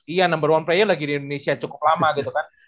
iya number one play nya lagi di indonesia cukup lama gitu kan